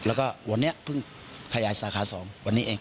แล้วก็วันนี้เพิ่งขยายสาขา๒วันนี้เอง